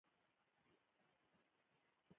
افغانستان ته د جهاد تشویق لپاره راغلي ول.